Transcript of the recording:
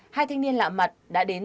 hai thanh niên lạ mặt đã đến